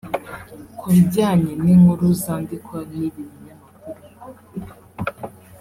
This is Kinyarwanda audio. Ku bijyanye n’inkuru zandikwa n’ibi binyamakuru